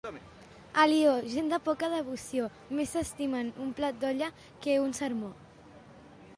Alió, gent de poca devoció. Més s'estimen un plat d'olla, que un sermó.